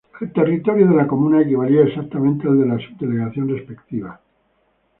El territorio de la comuna equivalía exactamente al de la subdelegación respectiva.